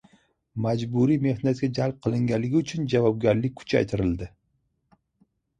Majburiy mehnatga jalb qilganlik uchun javobgarlik kuchaytirildi